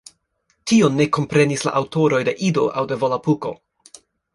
Tion ne komprenis la aŭtoroj de Ido aŭ de Volapuko.